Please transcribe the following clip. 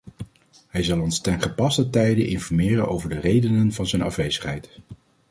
Hij zal ons ten gepaste tijde informeren over de redenen van zijn afwezigheid.